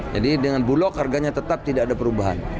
jadi dengan bulok harganya tetap tidak ada perubahan